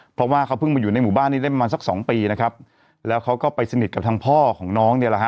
เพราะว่าเขาเพิ่งมาอยู่ในหมู่บ้านนี้ได้ประมาณสักสองปีนะครับแล้วเขาก็ไปสนิทกับทางพ่อของน้องเนี่ยแหละฮะ